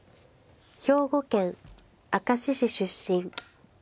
兵庫県明石市出身。